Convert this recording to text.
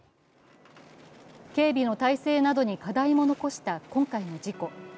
警備の体制などに課題も残した今回の事故。